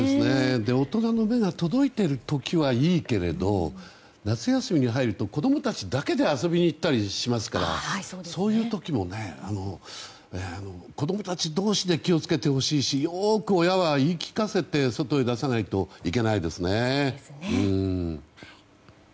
大人の目が届いてる時はいいけれど夏休みに入ると子供たちだけで遊びに行ったりしますからそういう時も、子供たち同士で気を付けてほしいしよく親は言い聞かせて外へ出さないといけないですね。